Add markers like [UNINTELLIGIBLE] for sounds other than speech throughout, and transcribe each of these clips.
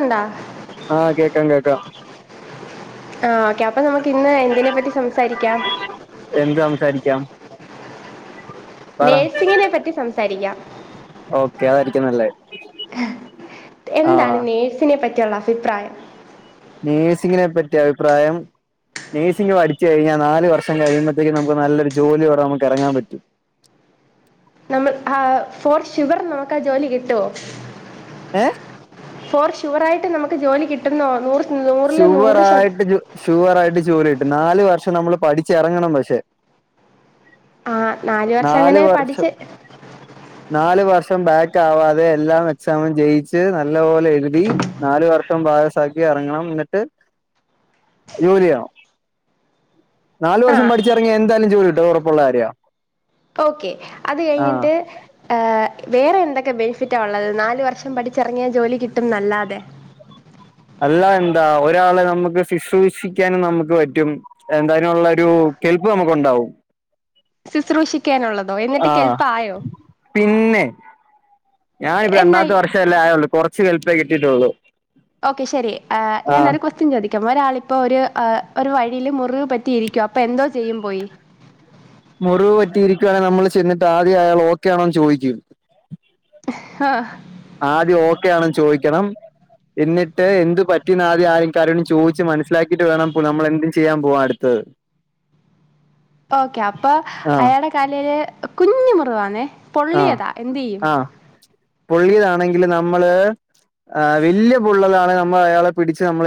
ഉണ്ടാ ആഹ് കേക്കാൻ കേക്കാം ആ ഓക്കെ അപ്പൊ നമുക്ക് ഇന്ന് എന്തിനെ പറ്റി സംസാരിക്കാം എന്ത് സംസാരിക്കാം പറ നേഴ്സിങ്ങിനെ പറ്റി സംസാരിക്കാം ഓക്കെ അതായിരിക്കും നല്ലേ എന്താണ് ആഹ് നേഴ്സിനെ പറ്റിയുള്ള അഭിപ്രായം നേഴ്സിങ്ങിനെ പറ്റി അഭിപ്രായം നേഴ്സിംഗ് പഠിച്ചു കഴിഞ്ഞാൽ നാല് വർഷം കഴിയുമ്പഴ്ത്തേക്ക് നമുക്ക് നല്ലൊരു ജോലിയോടെ നമുക്ക് എറങ്ങാൻ പറ്റും [INAUDIBLE] നമ്മൾ ആ ഫോർ ഷിവർ നമുക്ക് ആ ജോലി കിട്ടുവോ ഏ ഫോർ ഷുവർ ആയിട്ട് നമുക്ക് ജോലി കിട്ടുന്നോ നൂറ് നൂറിൽ ഷുവർ നൂറ് ശത ആയിട്ട് ജൊ ഷുവർ ആയിട്ട് ജോലികിട്ടും നാല് വർഷം നമ്മള് പഠിച്ചെറങ്ങണം പക്ഷെ ആ വർഷം നാല് അങ്ങനെ വർഷം പഠിച്ച് നാല് വർ ഷം ബാക്ക് ആവാതെ എല്ലാം എക്സാമും ജയിച്ച് നല്ല പോലെ എഴുതി നാല് വർഷം പാസാക്കി എറങ്ങണം എന്നിട്ട് ജോലി ചെയ്യണം നാല് ആ വർഷം പഠിച്ച് ഇറങ്ങിയ എന്താലും ജോലി കിട്ടും അത് ഉറപ്പുള്ള കാര്യാ ഓക്കെ അത് കഴിഞ്ഞിട്ട് വേറെന്താ ന്തൊക്കെ ബെനിഫിറ്റാ ഉള്ളത് നാല് വർഷം പഠിച്ചിറങ്ങിയാൽ ജോലി കിട്ടും നല്ലാതെ അല്ല എന്താ ഒരാളെ നമുക്ക് ശുശ്രൂഷിക്കാനും നമുക്ക് പറ്റും എന്തതിനുള്ളൊരു കെൽപ്പ് നമുക്കുണ്ടാവും ഓ എന്നിട്ട് ആഹ് കെൽപ്പ് ആയോ പിന്നെ ഞാനിപ്പ രണ്ടാത്തെ എന്നായി വർഷല്ലേ ആയുള്ളൂ കൊർച്ച് ഹെൽപ്പേ കിട്ടിട്ടുള്ളു ഓക്കെ ശരി ആ ഞാനൊരു ക്വസ്റ്റ്യൻ ചോദിക്കാം ഒരാളിപ്പോ അപ്പോൾ ഒരു ഒരു വഴിൽ മുറിവ് പറ്റിയിരിക്കുവ അപ്പോ എന്തോ ചെയ്യും പോയി മുറിവ് പറ്റിയിരിക്കുയാണിൽ നമ്മൾ ചെന്നിട്ട് ആദ്യം ആയാൾ ഓക്കൊണോന്ന് ചോദിക്കും ഹ് ഹാ ആദ്യം ഓക്കെ ആണന്ന് ചോദിക്കണം എന്നിട്ട് എന്ത് പ റ്റിന്ന് ആദ്യം ആരും കാരണം ചോദിച്ചു മനസ്സിലാക്കിട്ട് വേണം പോ നമ്മളെന്തും ചെയ്യാൻ പോവാൻ അടുത്തത് ഓക്കെ അപ്പൊ ആഹ് അയാൾടെ കാലേല് കുഞ്ഞ് മുറിവാന്നെ പൊള്ളിയതാ എന്തേയ്യും പൊള്ളിയിതാണെങ്കില് നമ്മള് ആ വലിയ പുള്ളതാണ് നമ്മൾ അയാളെ പിടിച്ച് നമ്മൾ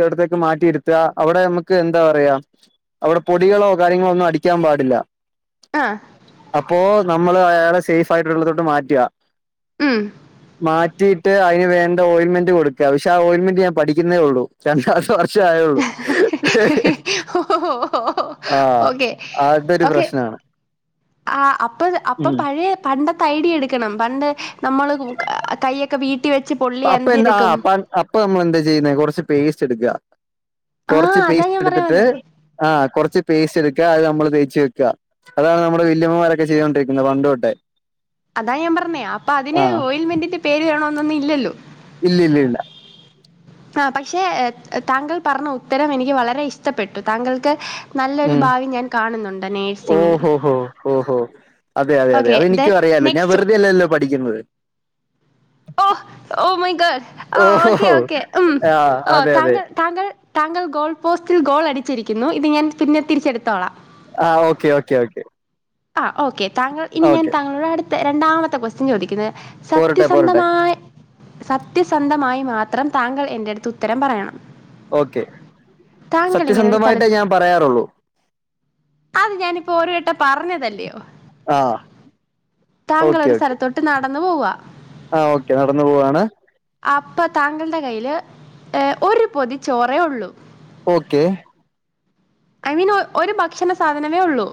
അവിടത്തേക്ക് മാറ്റിയിരുത്തുക അവിടെ നമുക്ക് എന്താ പറയാ അവിടെ പൊടികളോ കാര്യങ്ങളോ ഒന്നും അടിക്കാൻ പാടില്ല ആഹ്. അപ്പോ നമ്മൾ അയാളെ സേഫ് ആയിട്ടുള്ളതോട്ട് മാറ്റുക ഉം. മാ മാറ്റിയിട്ട് അതി വേണ്ട ഓയിൽമെൻ്റ് കൊടുക്ക പക്ഷേ ആ ഓയിൽ മെന്റ് ഞാൻ പഠിക്കുന്നേ ഉള്ളൂ [INAUDIBLE] [INAUDIBLE] ആ അതൊരു പ്രശ്നമാണ് [INAUDIBLE] ആ അപ്പ അപ്പം ഉം. പഴയ പണ്ടത്തെ ഐഡിയ എടുക്കണം പണ്ട് നമ്മൾ കയ്യൊക്കെ വീ അപ്പ എന്താ ആ അപ്പ നമ്മൾ എന്താ ചെയ്യുന്ന കുറച്ച് പേസ്റ്റ് എടുക്കുക കുറച്ച് ആഹ് അതാ പേസ്റ്റ് ഞാൻ പറയാൻ എടുത്തിട്ട് വന്നേ. ആ കുറച്ച് പേസ്റ്റ് എടു അത് നമ്മൾതേച്ചു വെക്കുക അതാണ് നമ്മൾ വല്യമ്മന്മാരൊക്കെ ചെയ്തോണ്ടിരിക്കുന്നത് പണ്ട് തൊട്ടെ അതാ ഞാൻ പറഞ്ഞേ അപ്പൊ അതിന് ഓയിൽമെന്റിന്റെ പേര് വേണമെന്നൊന്നും ഇല്ലല്ലോ ഇല്ല ഇല്ല ഇല്ല ആ പക്ഷെ താങ്കൾ പറഞ്ഞ ഉത്തരം എനിക്ക് വളരെ ഇഷ്ടപ്പെട്ടു താങ്കൾക്ക് നല്ലൊരു ഉം ഭാവി ഞാൻ കാണുന്നുണ്ട് നേഴ്സിങ്ങിൽ ഓഹോ ഹോ ഓഹോ അതെ അതെ അതെ ഓക്കെ ദെൻ അതെനിക്കും അിയല്ലോ ഞാൻ നെക്സ്റ്റ് വെറുതല്ലോ പഠിക്കുന്നത് ഓ [INAUDIBLE] ഓ മൈ ഗോഡ് ആ ഓക്കെ ഓഹോ ഓക്കെ ആഹ് അതെ അതെ താങ്കൾ താങ്കൾ താങ്കൾ ഗോൾ പോസ്റ്റിൽ ഗോൾ അടിച്ചിരിക്കുന്നു ഇത് ഞാൻ പിന്നെ തിരിച്ചെടുത്തോളാം. ആ ഓക്കെ ഓക്കെ ഓക്കേ ആ ഓക്കെ താങ്കൾ ഇനി ഞാൻ താങ്കളുടെ അടുത്ത രണ്ടാമത്തെ ക്വസ്റ്റ്യൻ ചോദിക്കുന്നത് പോരട്ടെ പോരട്ടെ സത്യസന്ധമായി സത്യസന്ധമായി മാത്രം താങ്കൾ എൻ്റെ അടുത്ത് ഉത്തരം പറയണം ഓക്കെ താങ്കൾ ഇങ്ങനെ ഒരു സത്യസന്ധമായിട്ടേ സ്ഥലത്ത് ഞാൻ പറയാറുള്ളൂ അത് ഞാനിപ്പോ ഒരു വട്ടം പറഞ്ഞതല്ലേ ആഹ് താങ്കൾ ഓക്കെ ഒരു ഓക്കെ സ്ഥലത്തോട്ട് നടന്നു പോവുക ആഹ് ഓക്കെ നടന്നു പോവാണ് അപ്പൊ താങ്കളുടെ കൈയിൽ ഒരു പൊതിചോറേ ഉള്ളൂ ഓക്കെ ഐ മീൻ ഒരു ഭക്ഷണ സാധനമേ ഉള്ളൂ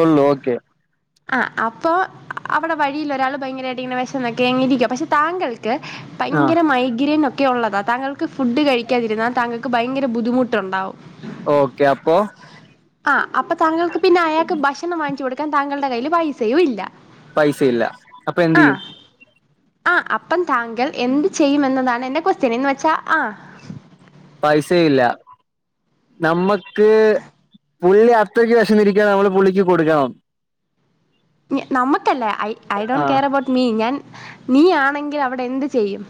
ഉള്ളു ഓക്കെ ആ അപ്പൊ അവിടെ വഴിയിൽ ഒരാൾ ഭയങ്കരമായിട്ട് ഇങ്ങനെ വിശന്നൊക്കെ ഇരിക്ക പക്ഷെ താങ്കൾ ആഹ് ഭയങ്കര മൈഗ്രെൻ ഒക്കെ ഉള്ളതാണ് താങ്കൾക്ക് ഫുഡ് കഴിക്കാതിരുന്നാൽ താങ്കൾക്ക് ഭയങ്കര ബദ്ധിമുട്ടുണ്ടാവും ഓക്കെ അപ്പൊ ആ അപ്പൊ താങ്കൾക്ക് പിന്നെ അയാൾക്ക് ഭക്ഷണം വാങ്ങിച്ചു കൊടുക്കാൻ താങ്കളുടെ കയ്യിൽ പൈസയും ഇല്ല പൈസയില്ല അപ്പൊ എന്ത് ആ ചെയ്യും ആ അപ്പം താങ്കൾ എന്ത് ചെയ്യുമെന്നതാണ് എൻ്റെ ക്വസ്റ്റ്യൻ എന്നന്ന് വെച്ചാ ആ പൈസയില്ല നമ്മൾക്ക് പുള്ളി അത്രക്ക് വിശന്നിരിക്കാ നമ്മൾ പുള്ളിക്ക് കൊടുക്കണം നമുക്കല്ലേ I I don't ah care about me ഞാൻ നീ ആണെങ്കിൽ അവിടെ എന്ത് ചെയ്യും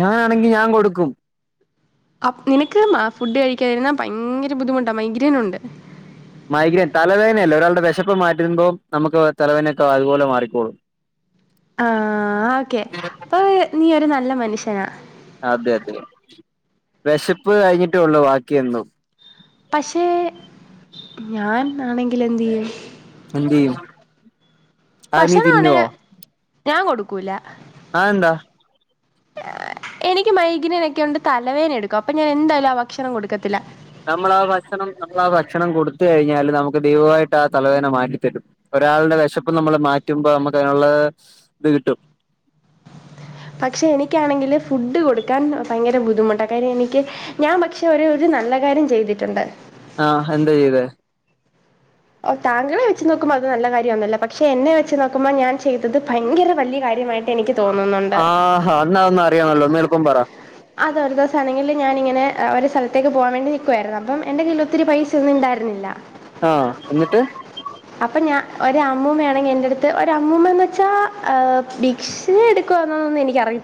ഞാനാണെങ്കിൽ ഞാൻ കൊടുക്കും നിനക്ക് ഫുഡ് കഴിക്കാതിരുന്നാ ഭയങ്കര ബുദ്ധിമുട്ടാ മൈഗ്രൈൻ ഉണ്ട് മൈഗ്രൈൻ തലവേദനയല്ലേ ഒരാളുടെ വിശപ്പ് മാറ്റിരുമ്പോ നമുക്ക് തലവേദനയൊക്കെ അതുപോലെ മാറിക്കോളും ആ ഓക്കെ അപ്പൊ നീ ഒരു നല്ല മനുഷ്യനാ അതെ അതെ വിശപ്പ് കഴിഞ്ഞിട്ടേ ഉള്ളു ബാക്കി എന്തും പക്ഷെ ഞാൻ ആണെങ്കിൽ എന്ത് ചെയ്യും എന്ത് ചെയ്യും അത് നീ ഭക്ഷണം ആണെ തിന്നുവോ ഞാൻ കൊടുക്കൂല ആ എന്താ എനിക്ക് മൈഗ്രെനേക്കൊണ്ട് തലവേദന എടുക്കും അപ്പൊ ഞാൻ എന്തായാലും ആ ഭക്ഷണം കൊടുക്കത്തില്ല നമ്മള ആ ഭക്ഷണം നമ്മൾ ആ ഭക്ഷണം കൊടുത്ത് കഴിഞ്ഞാല് നമുക്ക് ദൈവമായിട്ട് ആ തലവേന മാറ്റിത്തരും ഒരാളുടെ വിശപ്പ് നമ്മള് മാറ്റുമ്പോ നമുക്ക് അതിനുള്ള ത് കിട്ടും പക്ഷെ എനിക്കാണെങ്കില് ഫുഡ് കൊടുക്കാൻ ഭയങ്കര ബുദ്ധിമുട്ടാ കാര്യം എനിക്ക് ഞാൻ പക്ഷെ ഒരു നല്ല കാര്യം ചെയ്തിട്ടുണ്ട് ആഹ് എന്താ ചെയ്തേ ഓ താങ്കളെ വെച്ച് നോക്കുമ്പോ അത് നല്ല കാര്യോന്നല്ല പക്ഷ എന്നെ വെച്ച് നോക്കുമ്പോൾ ഞാൻ ചെയത ഇത് ഭയങ്കര വല്യ കാര്യമായിട്ട് എനിക്ക് തോന്നുന്നുണ്ട് അറിയണമല്ലോ ഒന്നെൾപ്പം പറാ അതൊരു ദിവസാണെങ്കില് ഞാനിങ്ങനെ ഒരു സ്ഥലത്തേക്ക് പോകാൻ വേണ്ടി നിക്കുവായിരുന്നു അപ്പം എന്റെ കയ്യില ഒത്തിരി പൈസ ഒന്നും ഇണ്ടായിർന്നില്ല ആഹ് എന്നിട്ട് അപ്പൊ ഞാൻ ഒരമ്മൂമ്മയാണെങ്കിൽ എന്റെടുത്ത് ഒരു അമ്മൂമ്മന്ന് വെച്ചാ ഭിക്ഷയെടുക്കുവാന്നോ ന്നെനിക്കറിയി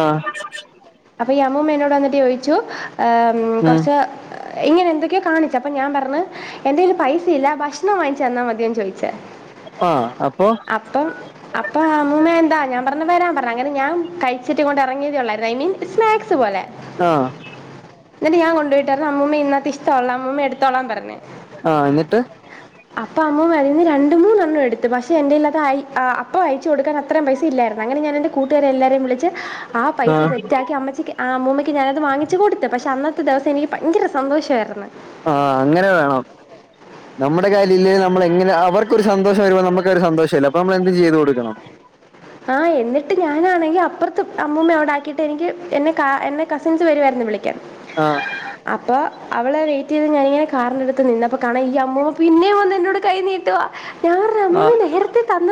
ആഹ് അപ്പ ഈ അമ്മൂമ്മ എന്നോട് വന്നിട്ട് ചോദിച്ചു ഏ ഉം കൊറച്ച് ഇങ്ങനെ എന്തൊക്കെയോ കാണിച്ച് അപ്പൊ ഞാൻ പറഞ്ഞ് എന്റെല് പൈസയില്ല ഭക്ഷണം വാങ്ങിച്ച് തന്നാ മതിയോന്ന് ചോദിച്ച് ആഹ് അപ്പൊ അപ്പം അപ്പം അമ്മൂമ്മ എന്താ ഞാൻ പറഞ്ഞ് വരാൻ പറ അങ്ങനെ ഞാൻ കഴിച്ചിട്ടിങ്ങോട്ട്‌ എറങ്ങിയതേ ഉള്ളായിരുന്നു ഐ മീൻ സ്നാക്സ് പോലെ ആഹ് ന്നിട്ട് ഞാൻ കൊണ്ട്‌ പോയിട്ടർഞ്ഞു അമ്മുമ്മ ഇതിനകത്ത് ഇഷ്ടല്ല അമ്മുമ്മ എടുത്ത് ത്തോളാൻ പറഞ്ഞ് ആഹ് എന്നിട്ട് അപ്പ അമ്മമ്മ രണ്ട്മൂന്നെണ്ണം എടുത്ത് പക്ഷെ എന്റയ്ൽ [UNINTELLIGIBLE] അപ്പൊ അയച്ച് കൊടുക്കാൻ അത്രേം പൈസ ഇല്ലായിരുന്നു അങ്ങനെ ഞാനെന്റെ കൂട്ടുകാരെല്ലാരെയും വിളച്ച് ആ പൈസ ആഹ് റ്റാക്കി അമ്മച്ചക്ക് ആ അമ്മൂമ്മയ്ക്ക് ഞാനത് വങ്ങിച്ച് കൊടുത്ത് പക്ഷേ അന്നത്തെ ദിവസം എനിക്ക് ഭയങ്കര സന്തോഷമായിരുന്നു ആഹ് അങ്ങനെ വേണം നമ്മുടെ കാര്യം ഇല്ലേൽ നമ്മളെങ്ങനെ അവർക്കൊരു സന്തോഷം വരുമ്പോ നമ്മുക്ക്‌ ഒരു സന്തോഷല്ലെ അപ്പൊ നമ്മൾ എന്തും ചെയ്തു കൊടുക്കണം ആഹ് എന്നിട്ട ട്ട് ഞാനാണങ്കിൽ അപ്പർത്ത് അമ്മൂമ്മയെ അവിടാക്കിയിട്ട് എനിക്ക് എന്നെ കാ എന്നെ കസിൻസ് വരുമായിരുന്നു വിളി ക്കാൻ ആ അപ്പൊ അവളെ വെയിറ്റ് ചെയ്ത് ഞാനിങ്ങനെ കാറിന്റെടുത്ത് നിന്നപ്പൊ കാണാ ഈ അമ്മൂമ്മ പിന്നെയും വന്ന് എന്നോട് കൈ നീട്ടുവാ ഞാൻ ആഹ്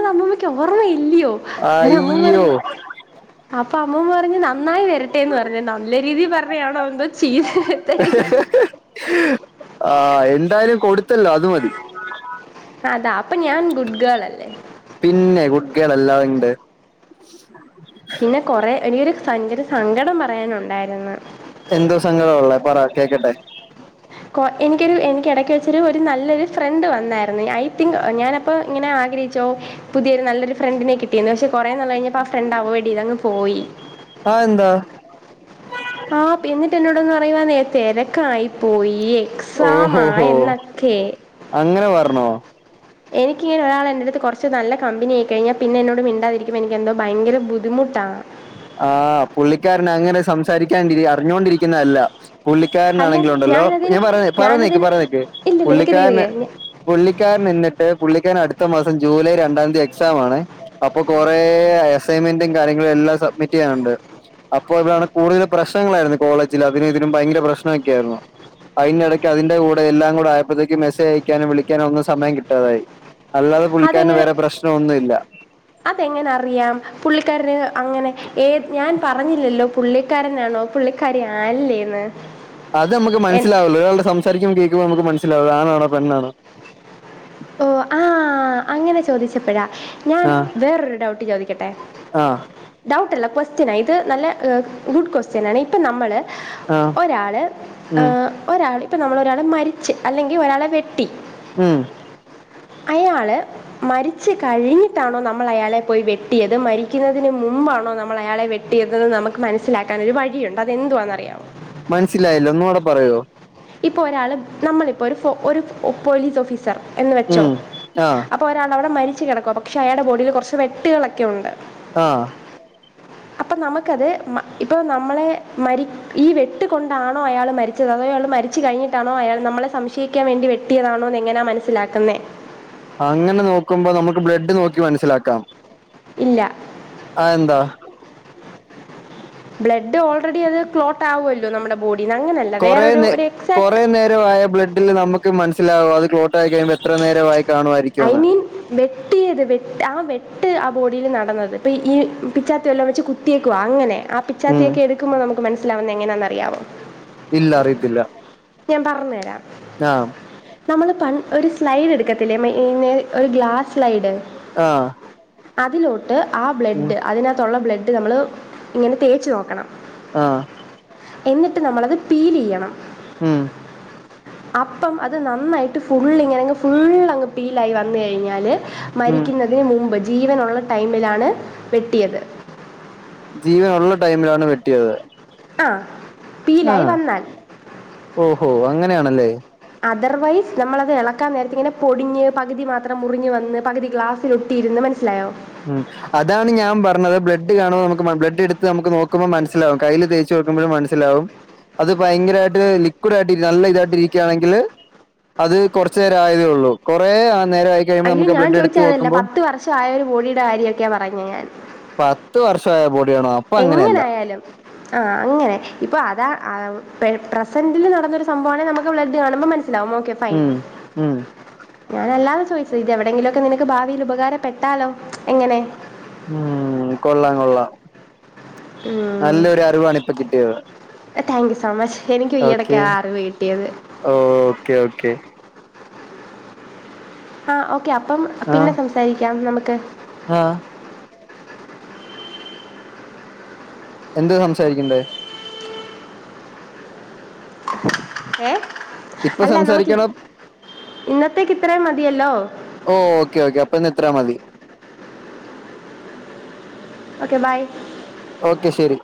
അമ്മമ്മക്ക്‌ ഓർമ്മ ഇല്ല്യോ അങ്ങനെ അമ്മൂമ്മ അയ്യോ പറഞ്ഞ അപ്പൊ അമ്മൂമ്മ പറഞ് നന്നായി വരട്ടെന്ന് പറഞ്ഞത് നല്ല രീതിൽ പറഞ്ഞയാണോ എന്തോ ചീ [UNINTELLIGIBLE] ആഹ് എന്തായാലും കൊടുത്തല്ലോ അത് മതി അതാ അപ്പൊ ഞാൻ ഗുഡ്ഗേളല്ലേ ഗേളല്ലാ [UNINTELLIGIBLE] പിന്നെ കൊറേ എനിക്കൊരു സഞ്ചരി സങ്കടം പറയാനുണ്ടായിരുന്നു എന്തോ സങ്കടമുള്ള പറ കേക്കട്ടെ എനിക്കൊരു എനിക്ക് എടക്ക് വെച്ചരു നല്ലൊരു ഫ്രണ്ട് വന്നായിർന്നു ഐ തിങ്ക് ഞാനപ്പ ഇങ്ങനെ ആകെ [UNINTELLIGIBLE] പുതിയൊരു നല്ലൊരു ഫ്രണ്ടിനെ കിട്ടിന്ന് പക്ഷെ കുറേ നാള് കഴിഞ്ഞപ്പോ ആ ഫ്രണ്ട് അവോയ്ഡ് ചെയ്ത് അങ്ങ് പോയി അതെന്താ ആഹ് പി ന്നിട്ട് എന്നോട് വന്ന് പറയുവാണേ തെരക്കായി പോയീന്ന്‌ എക്സാമാ ഓഹോ ഹോ എന്നൊക്കെ അങ്ങനെ പറഞ്ഞോ എനിക്കിങ്ങനെ ഒരാൾ എൻറ അടുത്ത് കുറച്ച് നല്ല കമ്പനി ആയി കഴിഞ്ഞാ പിന്നെ എന്നോട് മിണ്ടാതിരിക്കുമ്പോ എനിക്ക് എന്തോ ഭയങ്കര ബുദ്ധിമുട്ടാണ് ആ പുള്ളിക്കാരന് അങ്ങനെ സംസാരിക്കാണ്ടിരി അറിഞ്ഞോണ്ടിരിക്കുന്നതല്ല അല്ല പുള്ളിക്കാരനാണെങ്കിലും ഉണ്ടല്ലോ ഞാനതിന് [UNINTELLIGIBLE] പറണേക്ക് ഞാനതിന് പറണേക്ക് ഇല്ലില്ല നിൽക്ക് നിൽക്ക് പുള്ളിക്കാരന് നിൽക്ക് പുള്ളിക്കാരൻ നിന്നിട്ട് പുള്ളിക്കാരൻ അടുത്ത മാസം ജൂലൈ രണ്ടാം തീയതി എക്സാം ആണ് അപ്പൊ കൊറേ അസൈൻമെന്റും കാര്യങ്ങളും എല്ലാം സബ്മിറ്റ് ചെയ്യാനുണ്ട് അപ്പൊ താണ് കൂടുതൽ പ്രശ്നങ്ങളായിരുന്നു കോളേജില് അതിനും ഇതിനും ഭയങ്കര പ്രശ്നമൊക്കെ ആയിരുന്നു അയ്നെടക്ക് അതിന്റെ കൂടെ എല്ലാം കൂടെ ആയപ്പോയത്തേക്കും മെസ്സേജ് അയക്കാനും വിളിക്കാനും ഒന്നും സമയം കിട്ടാതായി. അല്ലാതെ പുള്ളിക്കാരന് വേറെ അതെങ്ങനെ പ്രശ്ന ഒന്നും ഇല്ല അതെങ്ങനെ അറിയാം പുള്ളിക്കാരന് അങ്ങനെ ഏത് ഞാൻ പറഞ്ഞില്ലല്ലോ പുള്ളിക്കാരനാണോ പുള്ളിക്കാരി അല്ലേന്ന് അത് നമ്മക്ക് മനസ്സിലാവല്ലോ ഒരാള്ടെ സംസാരിക്കുമ്പോ കേൾക്കുമ്പോ നമ്മക്ക് മനസ്സിലാവല്ലോ ആണാണോ പെണ്ണാണോ ഓ ആഹ് അങ്ങനെ ചോദിച്ചപ്പഴാ ഞാൻ ആ വേറൊര് ഡൗട്ട് ചോദിക്കട്ടെ? ആ ഡൗട്ടല്ല ക്വസ് സ്റ്റിനാ ഇത് നല്ല ഗുഡ് ക്വസ്റ്റനാണ് ഇപ്പ നമ്മള് ആ ഒരാള് ഉം ഒരാൾ ഇപ്പ നമ്മള് ഒരാൾ മരിച്ച് അല്ലെങ്കി ഒരാളെ വെട്ടി ഉം അയാള് മരിച്ച് കഴിഞ്ഞിട്ടാണോ നമ്മള് അയാളെ പോയി വെട്ടിയത് മരിക്കുന്നതിന് മു മുമ്പാണോ നമ്മളയാളെ വെട്ടിയതെന്ന് നമ്മക്ക് മനസ്സിലാക്കാനൊര് വഴിയുണ്ട് അത് എന്തുവാന്നറിയാമോ? മനസ്സിലായില്ല ഒന്നും കൂടെ പറയോ ഇപ്പൊ ഒരാള് നമ്മളിപ്പോ ഒര് പോലീസ് ഓഫീ സർ എന്ന് വെച്ചോ ഉം ആ അപ്പൊ ഒരാളവടെ മരി ച്ച് കിടക്കുക. പക്ഷെ അയാൾടെ ബോഡിയിൽ കൊറച്ച് വെട്ടുകളൊക്കെ ഉണ്ട് ആ അപ്പം നമ്മക്കത് ഇപ്പോൾ നമ്മളെ മരി ഈ വെട്ടുകൊണ്ടാണോ അയാൾ മരിച്ചത് അതോ അയാള് മരി ച്ച് കഴിഞ്ഞിട്ടാണോ അയാൾ നമ്മളെ സംശയിക്കാൻ വേണ്ടി വെട്ടിയതാണോ എങ്ങനാ മനസ്സിലാക്കുന്നേ അങ്ങനെ നോക്കുമ്പോ നമ്മക്ക് ബ്ലഡ് നോക്കി മനസ്സിലാക്കാം ഇല്ല അതെന്താ ബ്ലഡ് ഓൾറെഡി അത് ക്ലോട്ടാവുല്ലോ നമ്മടെ ബോഡി കൊറേ നേ കൊറേ നേരോ ആയ ബ്ലഡിൽ നമ്മക്ക് മനസി ലാവും അത് ക്ലോട്ടായി കഴിയുമ്പോ എത്ര നേരവായി ഐ മീൻ വെട്ടിയത് വെ ആ വെട്ട് ബോഡിയിൽ നടന്നത് ഇപ്പൊ ഈ പിച്ചാത്തിവല്ലോം വെച്ച് കുത്തീക്കുവാ അങ്ങനെ ആ പിച്ചാത്തി ഉം ഒക്കെ എടുക്കുമ്പോ നമ്മക്ക് മനസി ലാവുന്നേ എങ്ങനാന്നറിയാവോ ഇല്ല അറിയതില്ല ഞാൻ പറഞ്ഞ് തരാം ആഹ് നമ്മള് പൺ ഒര് സ്ലൈഡ് എടുക്കത്തില്ലേ മ ഒര് ഗ്ലാസ് സ്ലൈഡ് ആഹ് അതിലോട്ട് ആ ഉം ബ്ലഡ് അതിനാത്തുള്ള ബ്ലഡ് നമ്മള് ഇങ്ങനെ തേച്ച് നോക്കണം ആഹ് എന്നിട്ട് നമ്മളത് പീലീയ്യണം ഉം അപ്പം അത് നന്നായിട്ട് ഫുള്ളിങ്ങനങ് ഫുള്ളങ്ങ് പീലായി വന്ന് കഴിഞ്ഞാല് ഉം മരിക്കുന്നതിന് മുമ്പ് ജീവനുള്ള ടൈമിലാണ് വെട്ടിയത്. ജീവനുള്ള ടൈമിലാണ് വെട്ടിയത് ആഹ് ആഹ് ഓഹോ അങ്ങനെയാണല്ലേ അതർവൈസ് നമ്മളത് എളക്കാൻ നേരത്തിങ്ങനെ പൊടിഞ്ഞ് പകുതി മാത്രം മുറിഞ്ഞ് വന്ന് പകുതി ഗ്ലാസ്സിലൊട്ടിയിരുന്ന് മനസ്സിലായോ മ് അതാണ് ഞാം പറഞ്ഞത് ബ്ലഡ് കാണുമ്പോ നമ്മക്ക് ബ്ലഡ്ട്ത്ത് നോക്കുമ്പോ മനസ്സിലാവും കയ്യില് തേച്ച് നോക്കുമ്പോഴും മനസിലാവും അത് ഭയങ്കരമായിട്ട് ലിക്വിഡായിട്ട് നല്ല ഇതായിട്ട് ഇരിക്കുവാണെങ്കില് അത് കൊറച്ച് നേരം ആയതേ ഉള്ളൂ കൊറേ ആ അയ്യോ ഞാൻ ചോദിച്ച അതല്ല പത്ത് വർഷം ആയ ഒര് ബോഡീടെ കാര്യൊക്കെയാ പറഞ്ഞേ ഞാൻ പത്ത് വർഷമായ ബോഡിയാണോ അപ്പൊ അങ്ങനെയല്ല എങ്ങനായാലും ആഹ് അങ്ങനെ ഇപ്പൊ അതാ പേ പ്രസന്റിൽ നടന്നൊര് സംഭവമാണെ നമ്മക്ക് ബ്ലഡ്ഡ് കാണുമ്പോ മനസ്സി ലാവും ഓക്കെ ഫൈൻ ഉം ഉം ഞാനല്ലാതെ ചോയ്ച്ച് ഇത് എവിടെങ്കിലൊക്കെ നിനക്ക് ഭാവിയില് ഉപകാരപ്പെട്ടാലോ എങ്ങനെ ഉം കൊള്ളാം കൊള്ളാം നല്ലൊരു അറിവാണ് ഇപ്പൊ കിട്ടിയത് താങ്ക് യു സോ മച്ച് എനിക്കും ഈ ഓക്കെ ഇടയ്ക്ക് ആ അറിവ് കിട്ടിയത് ഓക്കെ ഓക്കെ ആഹ് ഓക്കെ അപ്പം ആഹ് പിന്നെ സംസാരിക്കാം നമുക്ക് ആഹ് എന്ത് സംസാരിക്കണ്ടേ ഏ ഇപ്പൊ അല്ല നമുക്ക് സംസാരിക്കണം ഇന്നത്തേക്ക് ഇത്രേം മതിയല്ലോ ഓ ഓക്കെ ഓക്കെ അപ്പൊ ഇന്ന് ഇത്രേം മതി ഒക്കെ ബൈ ഓക്കെ ശരി